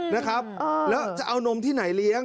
นะครับแล้วจะเอานมที่ไหนเลี้ยง